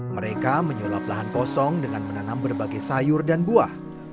mereka menyulap lahan kosong dengan menanam berbagai sayur dan buah